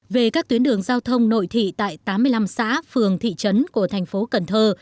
về các tuyến đường giao thông nội thị tại tám mươi năm xã phường thị trấn của thành phố cần thơ